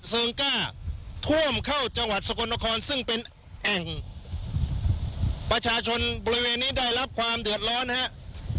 ก้าท่วมเข้าจังหวัดสกลนครซึ่งเป็นแอ่งประชาชนบริเวณนี้ได้รับความเดือดร้อนนะครับ